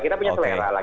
kita punya selera lah